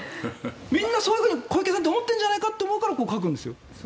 みんなそういうふうに小池さんって思ってるんじゃないかって思うから書くんですよ。